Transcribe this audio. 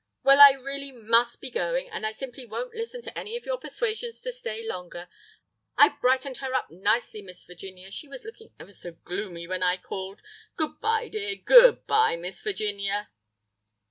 Well, I really must be going, and I simply won't listen to any of your persuasions to stay longer. I've brightened her up nicely, Miss Virginia; she was looking ever so gloomy when I called. Good bye, dear. Good bye, Miss Virginia."